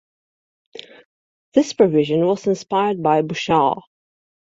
This provision was inspired by Bouchard.